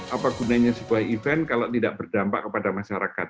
apa gunanya sebuah event kalau tidak berdampak kepada masyarakat